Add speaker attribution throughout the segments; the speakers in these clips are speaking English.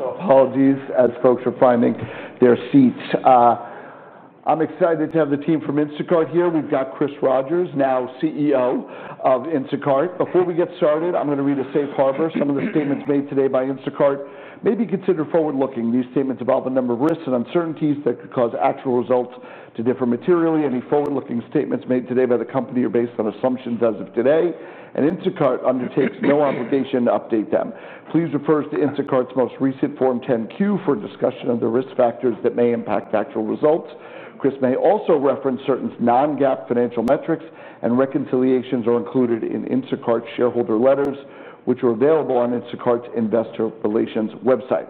Speaker 1: Apologies, as folks are finding their seats. I'm excited to have the team from Instacart here. We've got Chris Rogers, now CEO of Instacart. Before we get started, I'm going to read a safe harbor. Some of the statements made today by Instacart may be considered forward-looking. These statements involve a number of risks and uncertainties that could cause actual results to differ materially. Any forward-looking statements made today by the company are based on assumptions as of today, and Instacart undertakes no obligation to update them. Please refer to Instacart's most recent Form 10-Q for discussion of the risk factors that may impact actual results. Chris may also reference certain non-GAAP financial metrics, and reconciliations are included in Instacart's shareholder letters, which are available on Instacart's Investor Relations website.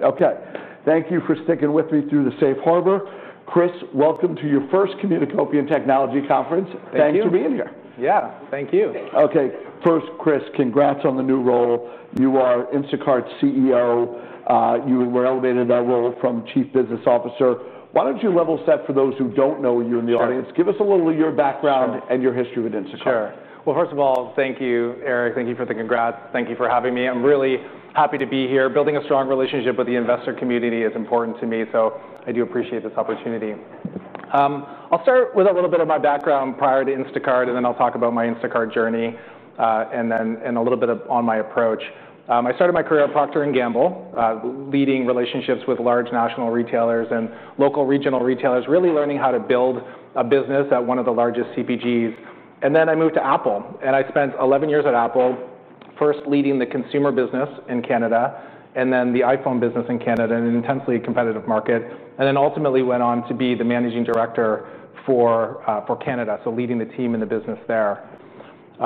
Speaker 1: Thank you for sticking with me through the safe harbor. Chris, welcome to your first communication technology conference.
Speaker 2: Thank you.
Speaker 1: Thanks for being here.
Speaker 2: Yeah, thank you.
Speaker 1: Okay. First, Chris, congrats on the new role. You are Instacart's CEO. You were elevated in that role from Chief Business Officer. Why don't you level set for those who don't know you in the audience? Give us a little of your background and your history with Instacart.
Speaker 2: Sure. First of all, thank you, Eric. Thank you for the congrats. Thank you for having me. I'm really happy to be here. Building a strong relationship with the investor community is important to me, so I do appreciate this opportunity. I'll start with a little bit of my background prior to Instacart, and then I'll talk about my Instacart journey and then a little bit on my approach. I started my career at Procter & Gamble, leading relationships with large national retailers and local regional retailers, really learning how to build a business at one of the largest CPGs. I moved to Apple, and I spent 11 years at Apple, first leading the consumer business in Canada and then the iPhone business in Canada, in an intensely competitive market. Ultimately, I went on to be the Managing Director for Canada, leading the team and the business there.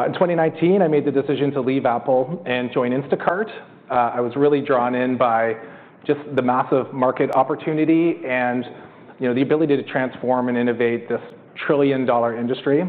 Speaker 2: In 2019, I made the decision to leave Apple and join Instacart. I was really drawn in by just the massive market opportunity and the ability to transform and innovate this trillion-dollar industry.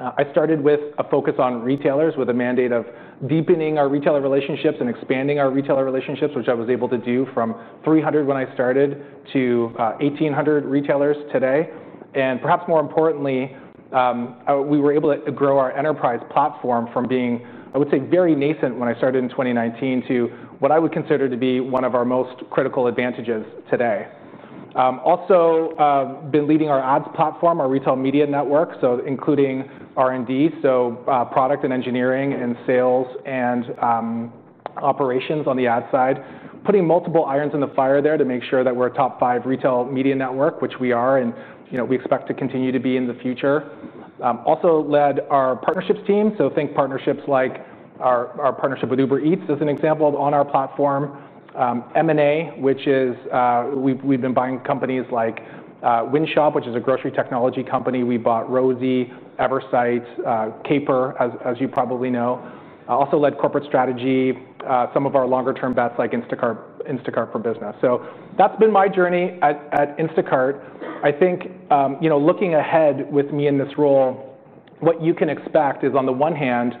Speaker 2: I started with a focus on retailers with a mandate of deepening our retailer relationships and expanding our retailer relationships, which I was able to do from 300 when I started to 1,800 retailers today. Perhaps more importantly, we were able to grow our enterprise platform from being, I would say, very nascent when I started in 2019 to what I would consider to be one of our most critical advantages today. Also, I've been leading our ads platform, our retail media network, including R&D, product and engineering and sales and operations on the ad side, putting multiple irons in the fire there to make sure that we're a top five retail media network, which we are, and we expect to continue to be in the future. I also led our partnerships team, so think partnerships like our partnership with Uber Eats as an example on our platform. M&A, which is we've been buying companies like WinShop, which is a grocery technology company. We bought Rosie, Eversight, Caper, as you probably know. I also led corporate strategy, some of our longer-term bets like Instacart for Business. That's been my journey at Instacart. I think looking ahead with me in this role, what you can expect is, on the one hand,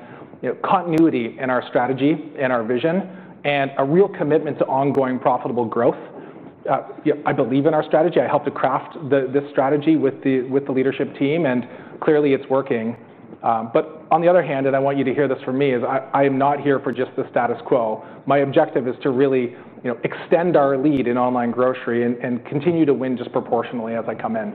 Speaker 2: continuity in our strategy and our vision and a real commitment to ongoing profitable growth. I believe in our strategy. I helped to craft this strategy with the leadership team, and clearly it's working. On the other hand, and I want you to hear this from me, I am not here for just the status quo. My objective is to really extend our lead in online grocery and continue to win disproportionately as I come in.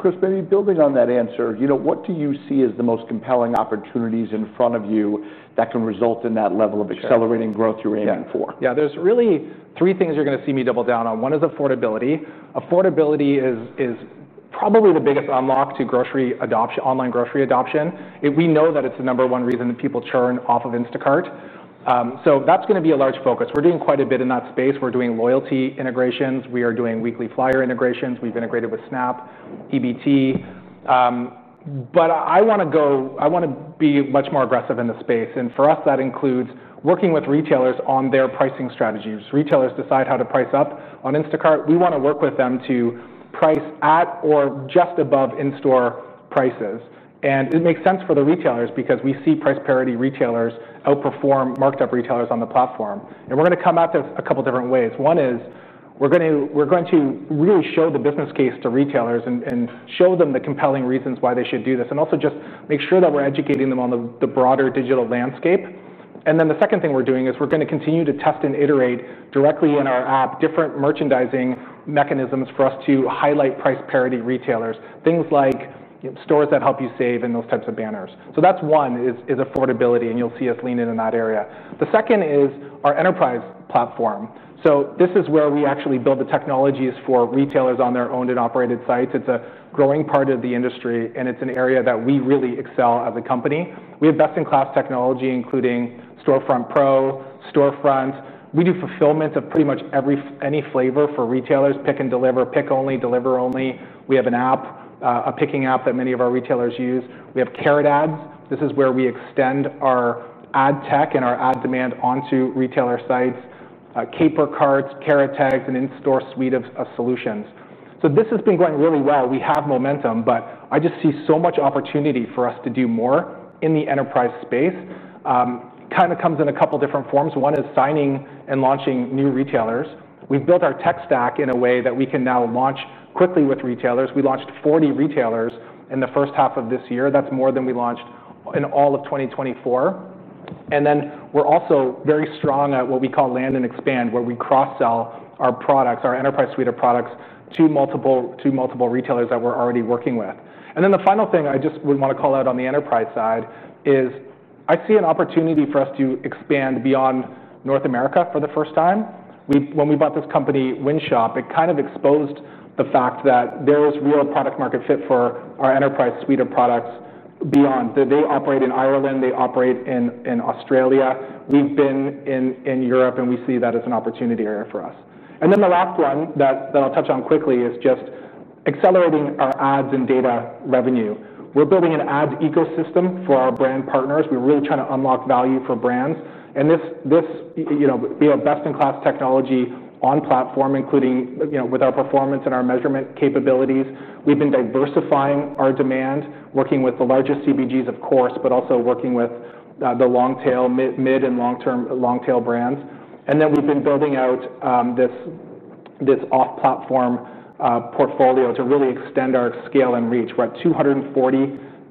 Speaker 1: Chris, maybe building on that answer, what do you see as the most compelling opportunities in front of you that can result in that level of accelerating growth you're aiming for?
Speaker 2: Yeah, there's really three things you're going to see me double down on. One is affordability. Affordability is probably the biggest unlock to online grocery adoption. We know that it's the number one reason that people churn off of Instacart. That's going to be a large focus. We're doing quite a bit in that space. We're doing loyalty integrations. We are doing weekly flyer integrations. We've integrated with SNAP, PBT. I want to be much more aggressive in the space. For us, that includes working with retailers on their pricing strategies. Retailers decide how to price up on Instacart. We want to work with them to price at or just above in-store prices. It makes sense for the retailers because we see price parity retailers outperform marked-up retailers on the platform. We're going to come at this a couple of different ways. One is we're going to really show the business case to retailers and show them the compelling reasons why they should do this. Also, just make sure that we're educating them on the broader digital landscape. The second thing we're doing is we're going to continue to test and iterate directly in our app different merchandising mechanisms for us to highlight price parity retailers, things like stores that help you save and those types of banners. That's one is affordability, and you'll see us lean in in that area. The second is our enterprise platform. This is where we actually build the technologies for retailers on their owned and operated sites. It's a growing part of the industry, and it's an area that we really excel as a company. We have best-in-class technology, including Storefront Pro, Storefront. We do fulfillment of pretty much any flavor for retailers, pick and deliver, pick only, deliver only. We have an app, a picking app that many of our retailers use. We have Instacart Ads. This is where we extend our ad tech and our ad demand onto retailer sites, Caper Carts, Carrot Tags, and in-store suite of solutions. This has been going really well. We have momentum, but I just see so much opportunity for us to do more in the enterprise space. It kind of comes in a couple of different forms. One is signing and launching new retailers. We've built our tech stack in a way that we can now launch quickly with retailers. We launched 40 retailers in the first half of this year. That's more than we launched in all of 2024. We are also very strong at what we call land and expand, where we cross-sell our products, our enterprise suite of products to multiple retailers that we're already working with. The final thing I just would want to call out on the enterprise side is I see an opportunity for us to expand beyond North America for the first time. When we bought this company, WinShop, it kind of exposed the fact that there is real product-market fit for our enterprise suite of products beyond. They operate in Ireland. They operate in Australia. We've been in Europe, and we see that as an opportunity area for us. The last one that I'll touch on quickly is just accelerating our ads and data revenue. We're building an ads ecosystem for our brand partners. We're really trying to unlock value for brands. We have a best-in-class technology on platform, including with our performance and our measurement capabilities. We've been diversifying our demand, working with the largest CPGs, of course, but also working with the long-tail, mid, and long-term brands. We've been building out this off-platform portfolio to really extend our scale and reach. We're at 240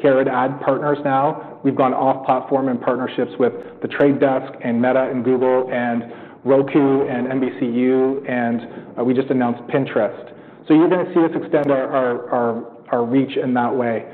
Speaker 2: Carrot Tags ad partners now. We've gone off-platform in partnerships with The Trade Desk and Meta and Google and Roku and NBCUniversal, and we just announced Pinterest. You are going to see us extend our reach in that way.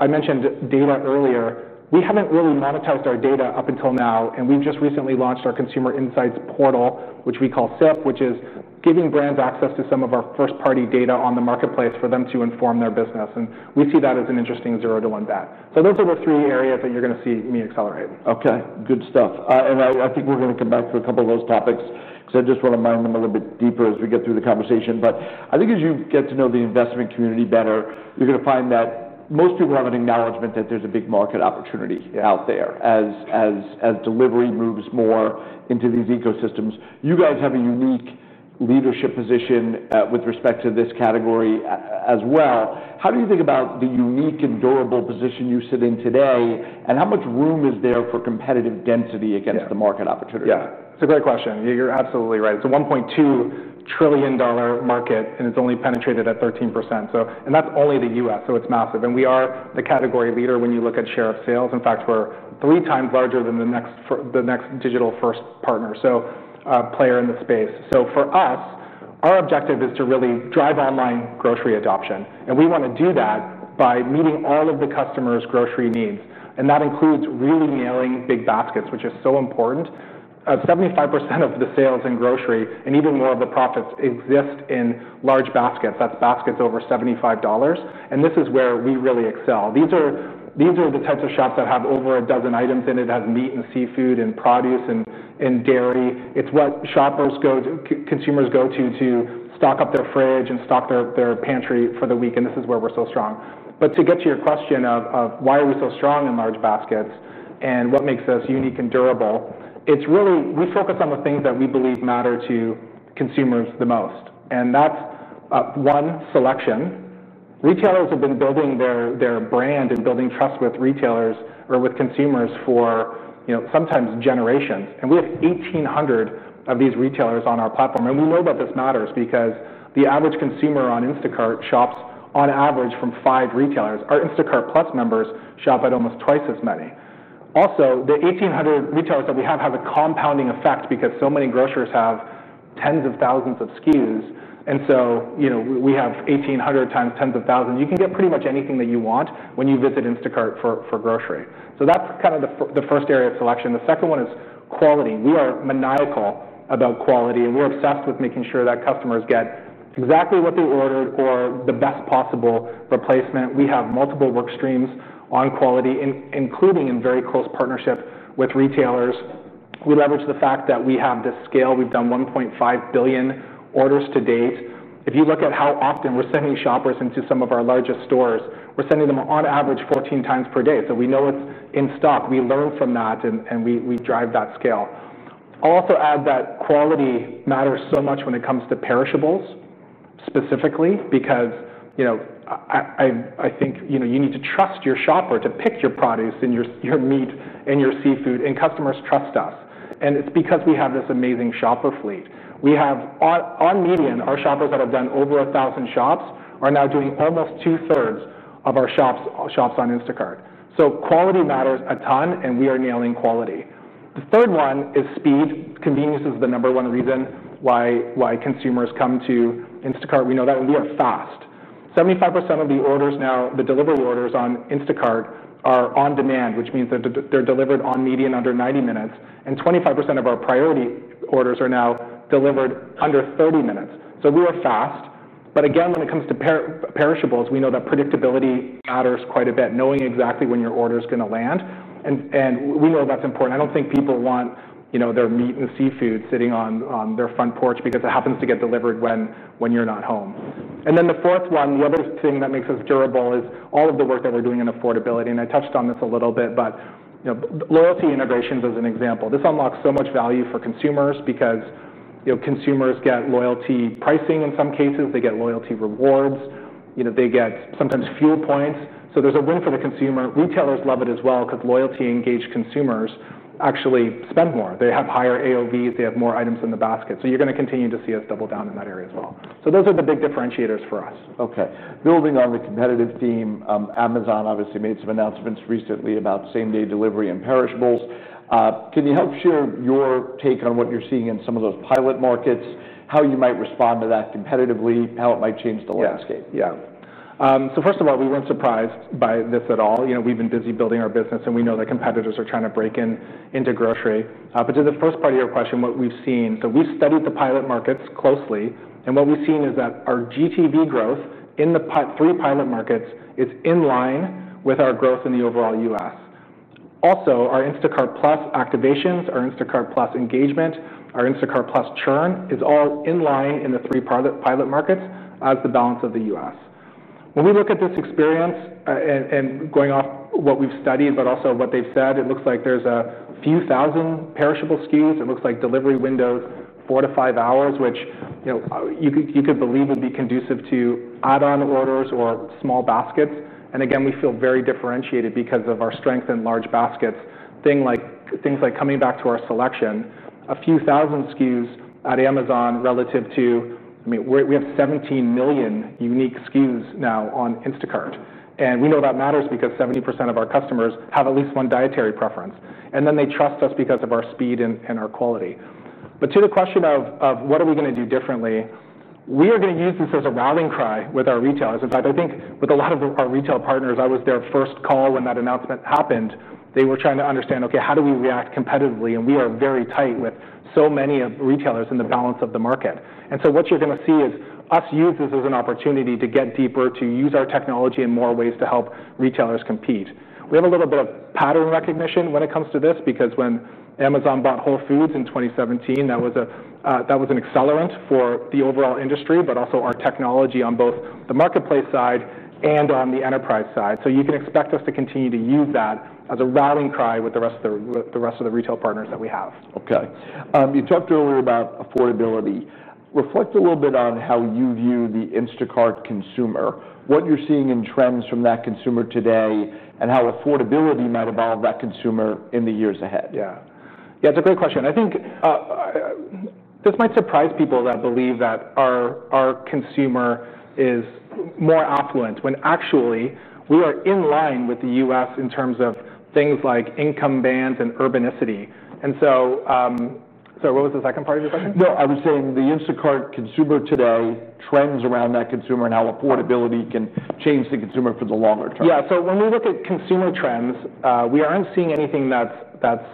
Speaker 2: I mentioned data earlier. We haven't really monetized our data up until now, and we've just recently launched our consumer insights portal, which we call SIP, which is giving brands access to some of our first-party data on the marketplace for them to inform their business. We see that as an interesting zero-to-one bet. Those are the three areas that you're going to see me accelerating.
Speaker 1: Okay. Good stuff. I think we're going to come back to a couple of those topics because I just want to mine them a little bit deeper as we get through the conversation. I think as you get to know the investment community better, you're going to find that most people have an acknowledgment that there's a big market opportunity out there as delivery moves more into these ecosystems. You guys have a unique leadership position with respect to this category as well. How do you think about the unique and durable position you sit in today, and how much room is there for competitive density against the market opportunity?
Speaker 2: Yeah. It's a great question. You're absolutely right. It's a $1.2 trillion market, and it's only penetrated at 13%. That's only the U.S., so it's massive. We are the category leader when you look at share of sales. In fact, we're three times larger than the next digital-first partner, a player in the space. For us, our objective is to really drive online grocery adoption. We want to do that by meeting all of the customers' grocery needs. That includes really nailing big baskets, which is so important. 75% of the sales in grocery and even more of the profits exist in large baskets. That's baskets over $75. This is where we really excel. These are the types of shops that have over a dozen items in it. It has meat and seafood and produce and dairy. It's what shoppers go to, consumers go to, to stock up their fridge and stock their pantry for the week. This is where we're so strong. To get to your question of why we are so strong in large baskets and what makes us unique and durable, we focus on the things that we believe matter to consumers the most. That's one, selection. Retailers have been building their brand and building trust with consumers for sometimes generations. We have 1,800 of these retailers on our platform. We know that this matters because the average consumer on Instacart shops on average from five retailers. Our Instacart Plus members shop at almost twice as many. Also, the 1,800 retailers that we have have a compounding effect because so many grocers have tens of thousands of SKUs. We have 1,800 times tens of thousands. You can get pretty much anything that you want when you visit Instacart for grocery. That's kind of the first area of selection. The second one is quality. We are maniacal about quality. We're obsessed with making sure that customers get exactly what they order for the best possible replacement. We have multiple workstreams on quality, including in very close partnership with retailers. We leverage the fact that we have this scale. We've done 1.5 billion orders to date. If you look at how often we're sending shoppers into some of our largest stores, we're sending them on average 14 times per day. We know what's in stock. We learn from that, and we drive that scale. I'll also add that quality matters so much when it comes to perishables specifically because I think you need to trust your shopper to pick your produce and your meat and your seafood, and customers trust us. It's because we have this amazing shopper fleet. We have, on median, our shoppers that have done over 1,000 shops are now doing almost two-thirds of our shops on Instacart. Quality matters a ton, and we are nailing quality. The third one is speed. Convenience is the number one reason why consumers come to Instacart. We know that we are fast. 75% of the orders now, the delivery orders on Instacart, are on demand, which means that they're delivered on median under 90 minutes. 25% of our priority orders are now delivered under 30 minutes. We are fast. When it comes to perishables, we know that predictability matters quite a bit, knowing exactly when your order is going to land. We know that's important. I don't think people want their meat and seafood sitting on their front porch because it happens to get delivered when you're not home. The fourth one, the other thing that makes us durable, is all of the work that we're doing in affordability. I touched on this a little bit, but loyalty integrations as an example. This unlocks so much value for consumers because consumers get loyalty pricing in some cases. They get loyalty rewards. They get sometimes fuel points. There's a win for the consumer. Retailers love it as well because loyalty-engaged consumers actually spend more. They have higher AOVs. They have more items in the basket. You're going to continue to see us double down in that area as well. Those are the big differentiators for us.
Speaker 1: Okay. Building on the competitive theme, Amazon obviously made some announcements recently about same-day delivery and perishables. Can you help share your take on what you're seeing in some of those pilot markets, how you might respond to that competitively, how it might change the landscape?
Speaker 2: Yeah. First of all, we weren't surprised by this at all. We've been busy building our business, and we know that competitors are trying to break into grocery. To the first part of your question, what we've seen, we've studied the pilot markets closely. What we've seen is that our GTV growth in the three pilot markets is in line with our growth in the overall U.S. Also, our Instacart Plus activations, our Instacart Plus engagement, our Instacart Plus churn is all in line in the three pilot markets as the balance of the U.S. When we look at this experience and going off what we've studied, but also what they've said, it looks like there's a few thousand perishable SKUs. It looks like delivery windows, four to five hours, which you could believe would be conducive to add-on orders or small baskets. We feel very differentiated because of our strength in large baskets. Things like coming back to our selection, a few thousand SKUs at Amazon relative to, I mean, we have 17 million unique SKUs now on Instacart. We know that matters because 70% of our customers have at least one dietary preference. They trust us because of our speed and our quality. To the question of what are we going to do differently, we are going to use this as a rallying cry with our retailers. In fact, I think with a lot of our retail partners, I was their first call when that announcement happened. They were trying to understand, okay, how do we react competitively? We are very tight with so many retailers in the balance of the market. What you're going to see is us use this as an opportunity to get deeper, to use our technology in more ways to help retailers compete. We have a little bit of pattern recognition when it comes to this because when Amazon bought Whole Foods in 2017, that was an accelerant for the overall industry, but also our technology on both the marketplace side and on the enterprise side. You can expect us to continue to use that as a rallying cry with the rest of the retail partners that we have.
Speaker 1: Okay. You talked earlier about affordability. Reflect a little bit on how you view the Instacart consumer, what you're seeing in trends from that consumer today, and how affordability might evolve that consumer in the years ahead.
Speaker 2: Yeah, it's a great question. I think this might surprise people that believe that our consumer is more affluent when actually we are in line with the U.S. in terms of things like income bands and urbanicity. Sorry, what was the second part of your question?
Speaker 1: I was saying the Instacart consumer today trends around that consumer and how affordability can change the consumer for the longer term.
Speaker 2: Yeah. When we look at consumer trends, we aren't seeing anything that's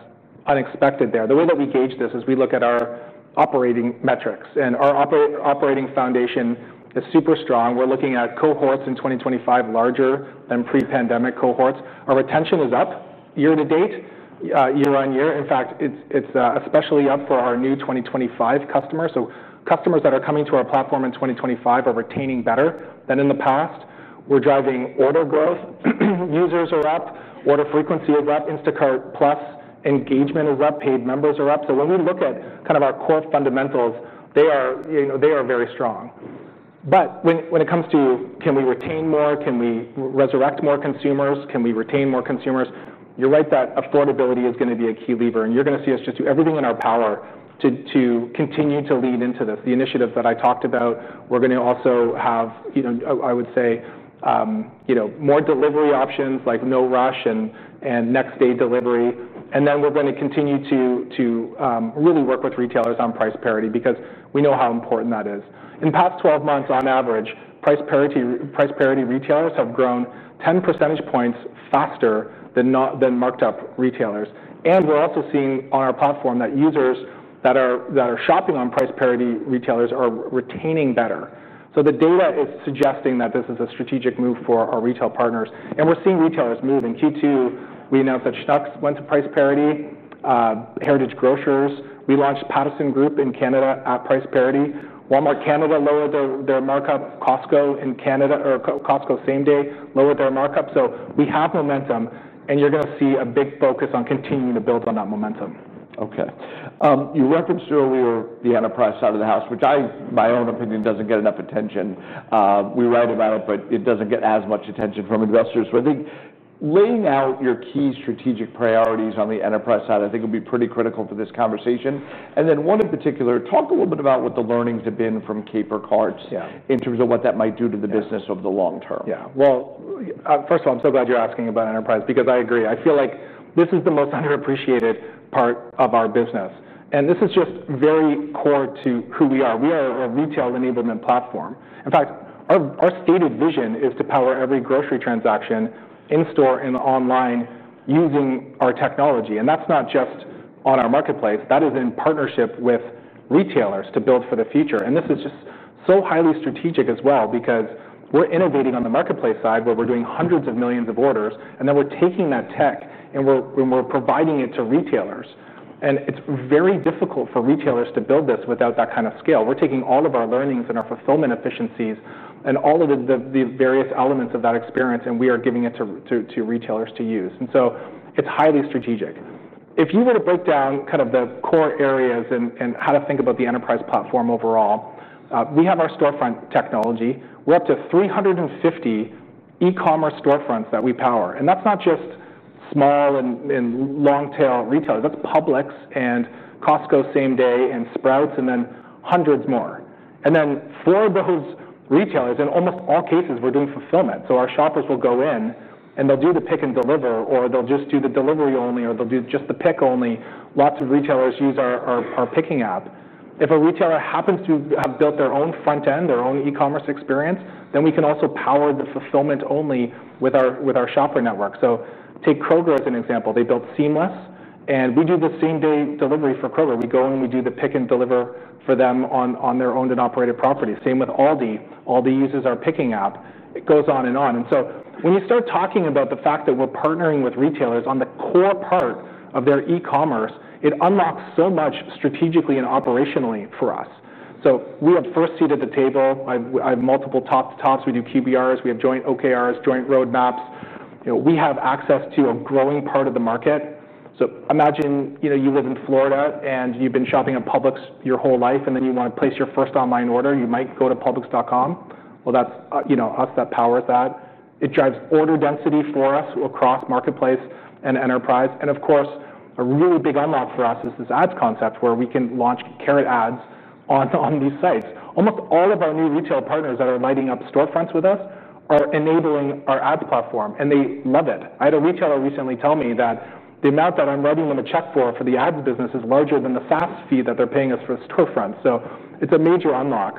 Speaker 2: unexpected there. The way that we gauge this is we look at our operating metrics, and our operating foundation is super strong. We're looking at cohorts in 2025, larger than pre-pandemic cohorts. Our retention is up year to date, year on year. In fact, it's especially up for our new 2025 customers. Customers that are coming to our platform in 2025 are retaining better than in the past. We're driving order growth. Users are up. Order frequency is up. Instacart Plus engagement and rep paid members are up. When we look at kind of our core fundamentals, they are very strong. When it comes to can we retain more, can we resurrect more consumers, can we retain more consumers, you're right that affordability is going to be a key lever. You're going to see us just do everything in our power to continue to lead into this, the initiative that I talked about. We're going to also have, I would say, more delivery options like no rush and next-day delivery. We're going to continue to really work with retailers on price parity because we know how important that is. In the past 12 months, on average, price parity retailers have grown 10% faster than marked-up retailers. We're also seeing on our platform that users that are shopping on price parity retailers are retaining better. The data is suggesting that this is a strategic move for our retail partners, and we're seeing retailers move. In Q2, we announced that Schnucks went to price parity, Heritage Grocers. We launched Patterson Group in Canada at price parity. Walmart Canada lowered their markup. Costco in Canada, or Costco same day, lowered their markup. We have momentum, and you're going to see a big focus on continuing to build on that momentum.
Speaker 1: Okay. You referenced earlier the enterprise side of the house, which I, in my own opinion, doesn't get enough attention. We write about it, but it doesn't get as much attention from investors. I think laying out your key strategic priorities on the enterprise side will be pretty critical to this conversation. One in particular, talk a little bit about what the learnings have been from Caper Carts in terms of what that might do to the business over the long term.
Speaker 2: First of all, I'm so glad you're asking about enterprise because I agree. I feel like this is the most underappreciated part of our business, and this is just very core to who we are. We are a retail enablement platform. In fact, our stated vision is to power every grocery transaction in-store and online using our technology. That's not just on our marketplace. That is in partnership with retailers to build for the future. This is just so highly strategic as well because we're innovating on the marketplace side where we're doing hundreds of millions of orders, and then we're taking that tech and we're providing it to retailers. It's very difficult for retailers to build this without that kind of scale. We're taking all of our learnings and our fulfillment efficiencies and all of the various elements of that experience, and we are giving it to retailers to use. It's highly strategic. If you were to break down the core areas and how to think about the enterprise platform overall, we have our storefront technology. We're up to 350 e-commerce storefronts that we power, and that's not just small and long-tail retailers. That's Publix and Costco same day and Sprouts and then hundreds more. For those retailers, in almost all cases, we're doing fulfillment. Our shoppers will go in and they'll do the pick and deliver, or they'll just do the delivery only, or they'll do just the pick only. Lots of retailers use our picking app. If a retailer happens to have built their own front end, their own e-commerce experience, then we can also power the fulfillment only with our shopper network. Take Kroger as an example. They built Seamless, and we do the same-day delivery for Kroger. We go in, we do the pick and deliver for them on their owned and operated property. Same with Aldi. Aldi uses our picking app. It goes on and on. When you start talking about the fact that we're partnering with retailers on the core part of their e-commerce, it unlocks so much strategically and operationally for us. We have first seat at the table. I have multiple talk to talks. We do QBRs. We have joint OKRs, joint roadmaps. We have access to a growing part of the market. Imagine you live in Florida and you've been shopping at Publix your whole life, and then you want to place your first online order. You might go to publix.com. That's us that powers that. It drives order density for us across marketplace and enterprise. Of course, a really big unlock for us is this ads concept where we can launch Carrot Ads on these sites. Almost all of our new retail partners that are lighting up storefronts with us are enabling our ads platform, and they love it. I had a retailer recently tell me that the amount that I'm writing them a check for for the ads business is larger than the SaaS fee that they're paying us for storefronts. It is a major unlock.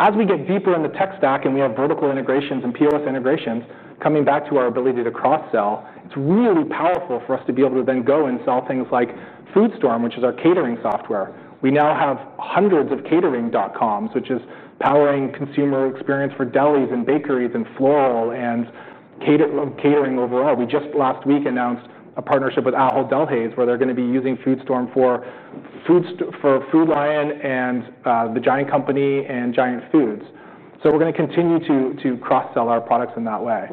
Speaker 2: As we get deeper in the tech stack and we have vertical integrations and POS integrations, coming back to our ability to cross-sell, it's really powerful for us to be able to then go and sell things like FoodStorm, which is our catering software. We now have hundreds of catering.coms, which is powering consumer experience for delis and bakeries and floral and catering overall. Last week, we announced a partnership with Ahold Delhaize, where they're going to be using FoodStorm for Food Lion and The Giant Company and Giant Foods. We are going to continue to cross-sell our products in that way.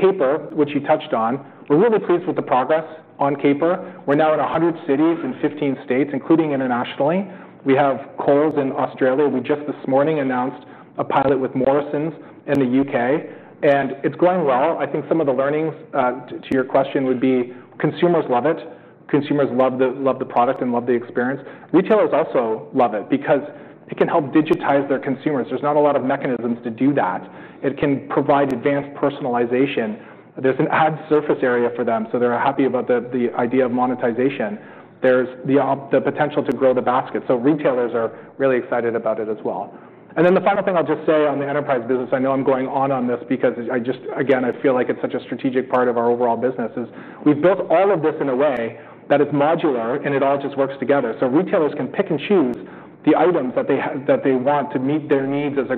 Speaker 2: Caper, which you touched on, we're really pleased with the progress on Caper. We're now in 100 cities in 15 states, including internationally. We have Coles in Australia. This morning, we announced a pilot with Morrisons in the UK, and it's going well. I think some of the learnings, to your question, would be consumers love it. Consumers love the product and love the experience. Retailers also love it because it can help digitize their consumers. There are not a lot of mechanisms to do that. It can provide advanced personalization. There is an ad surface area for them, so they're happy about the idea of monetization. There is the potential to grow the basket. Retailers are really excited about it as well. The final thing I'll just say on the enterprise business, I know I'm going on on this because I just, again, I feel like it's such a strategic part of our overall business, is we've built all of this in a way that it's modular and it all just works together. Retailers can pick and choose the items that they want to meet their needs as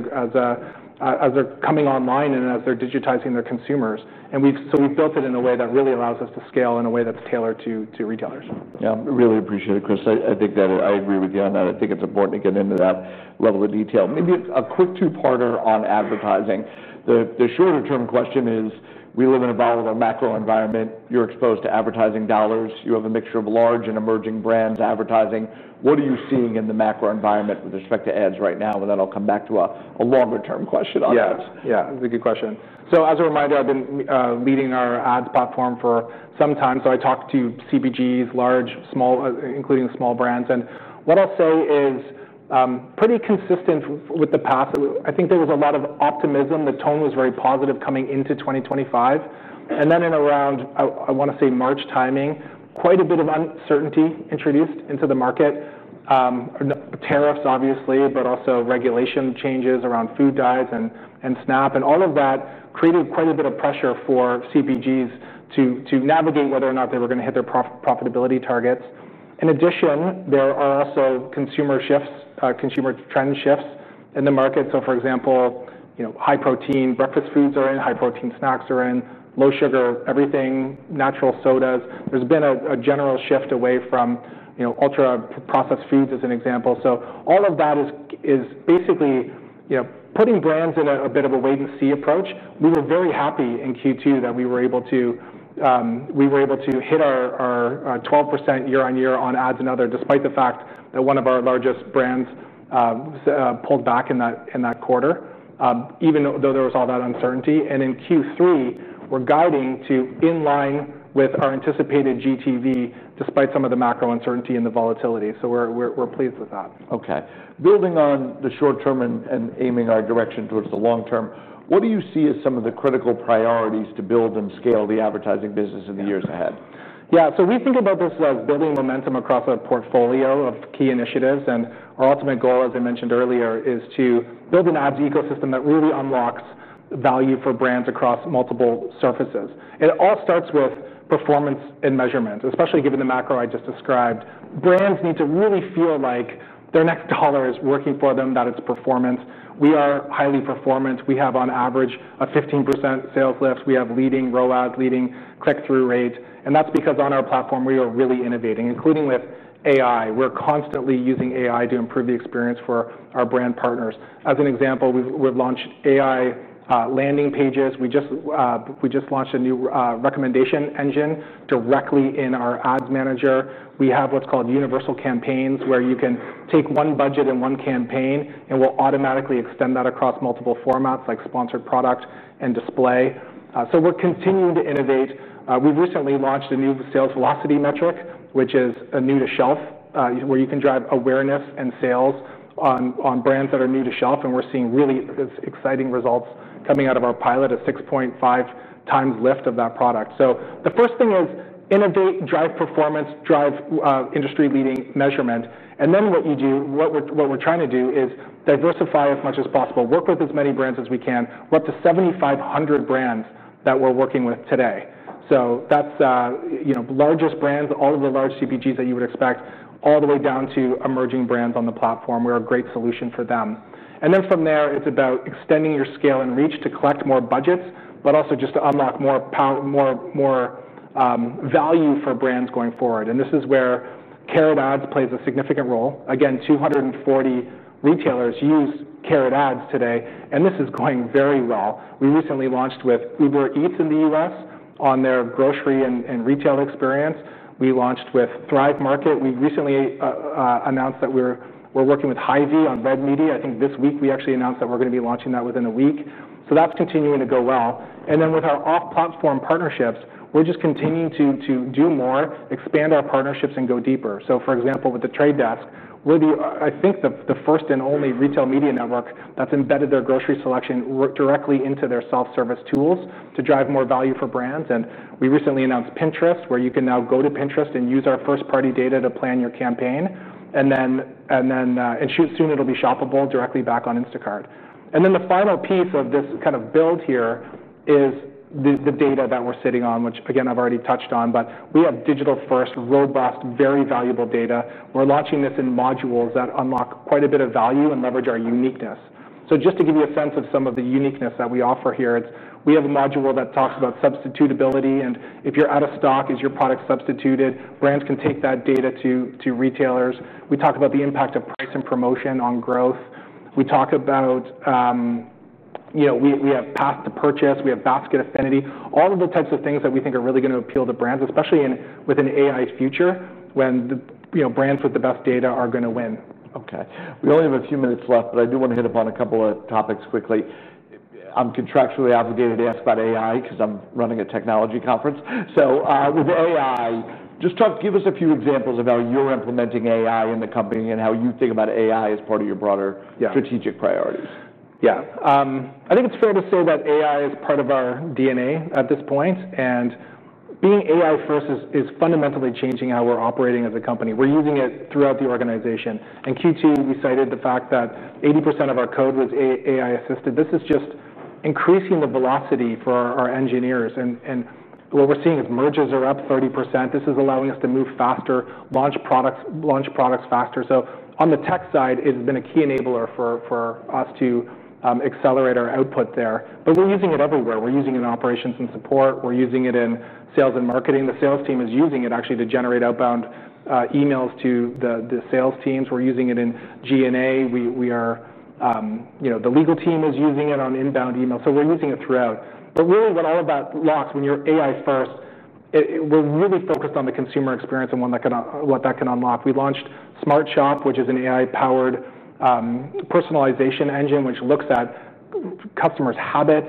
Speaker 2: they're coming online and as they're digitizing their consumers. We've built it in a way that really allows us to scale in a way that's tailored to retailers.
Speaker 1: Yeah, I really appreciate it, Chris. I think that I agree with you on that. I think it's important to get into that level of detail. Maybe a quick two-parter on advertising. The shorter-term question is we live in a volatile macro environment. You're exposed to advertising dollars. You have a mixture of large and emerging brands advertising. What are you seeing in the macro environment with respect to ads right now? I'll come back to a longer-term question on that.
Speaker 2: Yeah, yeah, that's a good question. As a reminder, I've been leading our ads platform for some time. I talk to CPGs, large, small, including small brands. What I'll say is pretty consistent with the path. I think there was a lot of optimism. The tone was very positive coming into 2025. In around, I want to say, March timing, quite a bit of uncertainty was introduced into the market. Tariffs, obviously, but also regulation changes around food dyes and SNAP and all of that created quite a bit of pressure for CPGs to navigate whether or not they were going to hit their profitability targets. In addition, there are also consumer shifts, consumer trend shifts in the market. For example, high protein breakfast foods are in, high protein snacks are in, low sugar, everything, natural sodas. There's been a general shift away from ultra-processed foods as an example. All of that is basically putting brands in a bit of a wait-and-see approach. We were very happy in Q2 that we were able to hit our 12% year-over-year on ads and other, despite the fact that one of our largest brands pulled back in that quarter, even though there was all that uncertainty. In Q3, we're guiding to in line with our anticipated GTV, despite some of the macro uncertainty and the volatility. We're pleased with that.
Speaker 1: Okay. Building on the short term and aiming our direction towards the long term, what do you see as some of the critical priorities to build and scale the advertising business in the years ahead?
Speaker 2: Yeah, so we think about this as building momentum across a portfolio of key initiatives. Our ultimate goal, as I mentioned earlier, is to build an ads ecosystem that really unlocks value for brands across multiple surfaces. It all starts with performance and measurement, especially given the macro I just described. Brands need to really feel like their next dollar is working for them, that it's performance. We are highly performant. We have, on average, a 15% sales lift. We have leading rollouts, leading click-through rates. That's because on our platform, we are really innovating, including with AI. We're constantly using AI to improve the experience for our brand partners. As an example, we've launched AI landing pages. We just launched a new recommendation engine directly in our ads manager. We have what's called universal campaigns, where you can take one budget in one campaign, and we'll automatically extend that across multiple formats, like sponsored product and display. We're continuing to innovate. We've recently launched a new sales velocity metric, which is a new-to-shelf, where you can drive awareness and sales on brands that are new to shelf. We're seeing really exciting results coming out of our pilot at 6.5 times lift of that product. The first thing is innovate, drive performance, drive industry-leading measurement. What you do, what we're trying to do is diversify as much as possible, work with as many brands as we can. We're up to 7,500 brands that we're working with today. That's the largest brands, all of the large CPGs that you would expect, all the way down to emerging brands on the platform. We are a great solution for them. From there, it's about extending your scale and reach to collect more budgets, but also just to unlock more value for brands going forward. This is where Instacart Ads play a significant role. Again, 240 retailers use Instacart Ads today. This is going very well. We recently launched with Uber Eats in the U.S. on their grocery and retail experience. We launched with Thrive Market. We recently announced that we're working with Hy-Vee on web media. I think this week we actually announced that we're going to be launching that within a week. That's continuing to go well. With our off-platform partnerships, we're just continuing to do more, expand our partnerships, and go deeper. For example, with The Trade Desk, we're the first and only retail media network that's embedded their grocery selection directly into their self-service tools to drive more value for brands. We recently announced Pinterest, where you can now go to Pinterest and use our first-party data to plan your campaign. Soon it'll be shoppable directly back on Instacart. The final piece of this kind of build here is the data that we're sitting on, which again I've already touched on. We have digital-first, robust, very valuable data. We're launching this in modules that unlock quite a bit of value and leverage our uniqueness. To give you a sense of some of the uniqueness that we offer here, we have a module that talks about substitutability. If you're out of stock, is your product substituted? Brands can take that data to retailers. We talk about the impact of price and promotion on growth. We talk about the purchase. We have basket affinity, all of the types of things that we think are really going to appeal to brands, especially with an AI future when the brands with the best data are going to win.
Speaker 1: Okay. We only have a few minutes left, but I do want to hit upon a couple of topics quickly. I'm contractually obligated to ask about AI because I'm running a technology conference. With AI, just give us a few examples of how you're implementing AI in the company and how you think about AI as part of your broader strategic priorities.
Speaker 2: Yeah. I think it's fair to say that AI is part of our DNA at this point. Being AI-first is fundamentally changing how we're operating as a company. We're using it throughout the organization. In Q2, we cited the fact that 80% of our code was AI-assisted. This is just increasing the velocity for our engineers. What we're seeing is mergers are up 30%. This is allowing us to move faster, launch products faster. On the tech side, it's been a key enabler for us to accelerate our output there. We're using it everywhere. We're using it in operations and support. We're using it in sales and marketing. The sales team is using it actually to generate outbound emails to the sales teams. We're using it in G&A. The legal team is using it on inbound email. We're using it throughout. What all of that unlocks, when you're AI-first, we're really focused on the consumer experience and what that can unlock. We launched SmartShop, which is an AI-powered personalization engine, which looks at customers' habits,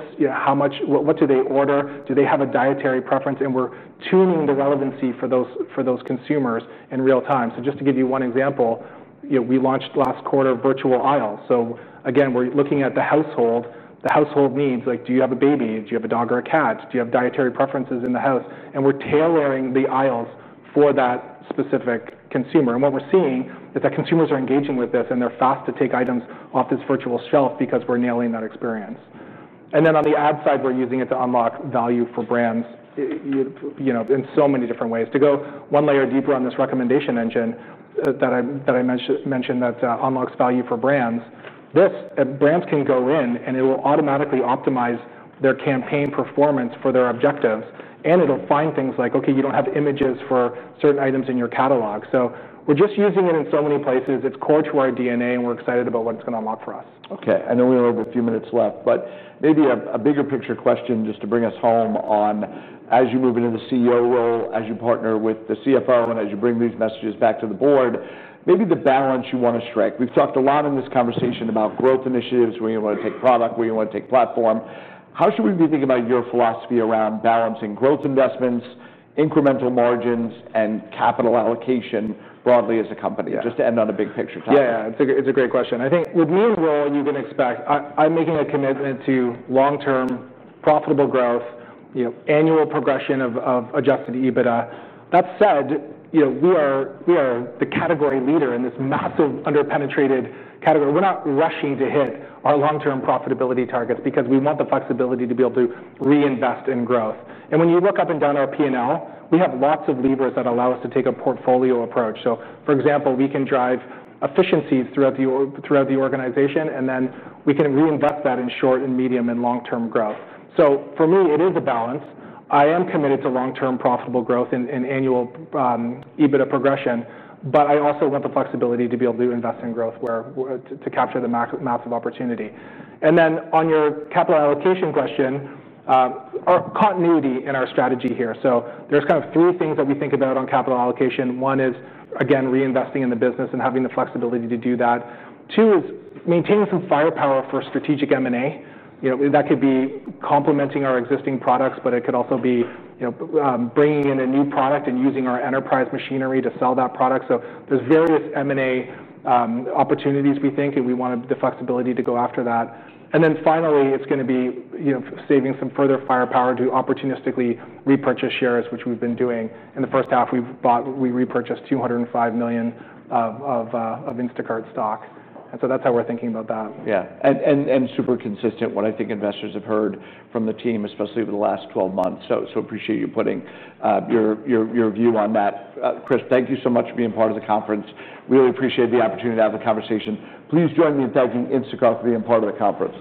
Speaker 2: what do they order, do they have a dietary preference, and we're tuning the relevancy for those consumers in real time. Just to give you one example, we launched last quarter virtual aisles. We're looking at the household needs, like do you have a baby? Do you have a dog or a cat? Do you have dietary preferences in the house? We're tailoring the aisles for that specific consumer. What we're seeing is that consumers are engaging with this, and they're fast to take items off this virtual shelf because we're nailing that experience. On the ad side, we're using it to unlock value for brands in so many different ways. To go one layer deeper on this recommendation engine that I mentioned that unlocks value for brands, brands can go in, and it will automatically optimize their campaign performance for their objectives. It'll find things like, okay, you don't have images for certain items in your catalog. We're just using it in so many places. It's core to our DNA, and we're excited about what it's going to unlock for us.
Speaker 1: Okay. We only have a few minutes left. Maybe a bigger picture question just to bring us home as you move into the CEO role, as you partner with the CFO, and as you bring these messages back to the board, maybe the balance you want to strike. We've talked a lot in this conversation about growth initiatives, where you want to take product, where you want to take platform. How should we be thinking about your philosophy around balancing growth investments, incremental margins, and capital allocation broadly as a company? Just to end on a big picture.
Speaker 2: Yeah, it's a great question. I think with me in the role, you can expect I'm making a commitment to long-term profitable growth, annual progression of adjusted EBIT. That said, we are the category leader in this massive underpenetrated category. We're not rushing to hit our long-term profitability targets because we want the flexibility to be able to reinvest in growth. When you look up and down our P&L, we have lots of levers that allow us to take a portfolio approach. For example, we can drive efficiencies throughout the organization, and then we can reinvest that in short, medium, and long-term growth. For me, it is a balance. I am committed to long-term profitable growth in annual EBITDA progression, but I also want the flexibility to be able to invest in growth to capture the massive opportunity. On your capital allocation question, our continuity in our strategy here. There are kind of three things that we think about on capital allocation. One is, again, reinvesting in the business and having the flexibility to do that. Two is maintaining some firepower for strategic M&A. That could be complementing our existing products, but it could also be bringing in a new product and using our enterprise machinery to sell that product. There are various M&A opportunities, we think, and we want the flexibility to go after that. Finally, it's going to be saving some further firepower to opportunistically repurchase shares, which we've been doing. In the first half, we repurchased $205 million of Instacart stock. That's how we're thinking about that.
Speaker 1: Yeah. Super consistent with what I think investors have heard from the team, especially over the last 12 months. I appreciate you putting your view on that. Chris, thank you so much for being part of the conference. Really appreciate the opportunity to have the conversation. Please join me in thanking Instacart for being part of the conference.